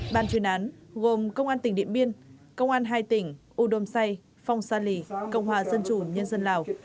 bàn chuyên án gồm công an tỉnh điện biên công an hai tỉnh u đôm say phong sa lì công hòa dân chủ nhân dân lào